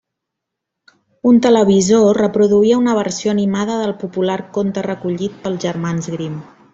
Un televisor reproduïa una versió animada del popular conte recollit pels germans Grimm.